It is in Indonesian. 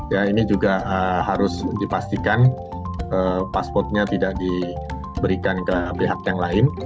ya ini juga harus dipastikan paspornya tidak diberikan ke pihak yang lain